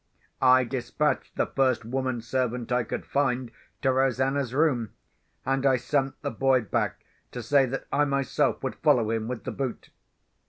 I despatched the first woman servant I could find to Rosanna's room; and I sent the boy back to say that I myself would follow him with the boot.